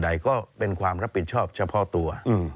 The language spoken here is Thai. ใดก็เป็นความรับผิดชอบเฉพาะตัว